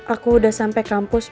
aku udah sampai kampus